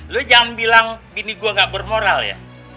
lu jangan bilang bini gua gak bermoral ya